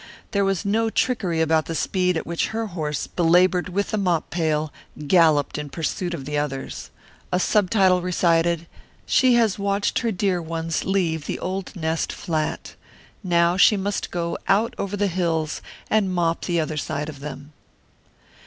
There was no trickery about the speed at which her horse, belaboured with the mop pail, galloped in pursuit of the others. A subtitle recited "She has watched her dear ones leave the old nest flat. Now she must go out over the hills and mop the other side of them!"